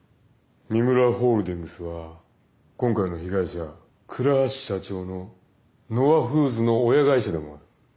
三村ホールディングスは今回の被害者倉橋社長のＮＯＡフーズの親会社でもある。